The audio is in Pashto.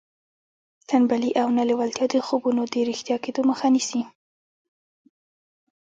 تنبلي او نه لېوالتیا د خوبونو د رښتیا کېدو مخه نیسي